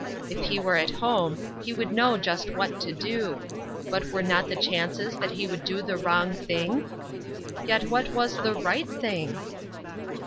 If he were at home, he would know just what to do ; but were not the chances that he would do the wrong thing ? Yet what was the right thing